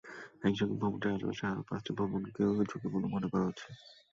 একই সঙ্গে ভবনটির আশপাশে আরও পাঁচটি ভবনকেও ঝুঁকিপূর্ণ মনে করা হচ্ছে।